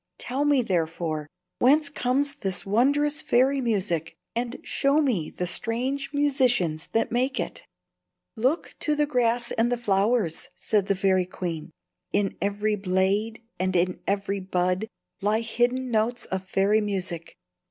Tell me, therefore, whence comes this wondrous fairy music, and show me the strange musicians that make it." [Illustration: Musical notation] "Look to the grass and the flowers," said the fairy queen. "In every blade and in every bud lie hidden notes of fairy music.